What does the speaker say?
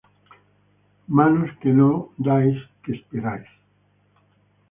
Manos que no dais que esperáis